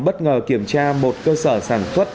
bất ngờ kiểm tra một cơ sở sản xuất